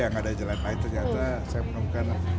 tidak ada jalan lain ternyata saya menemukan